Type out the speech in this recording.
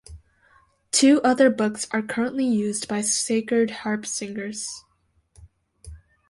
Two other books are currently used by Sacred Harp singers.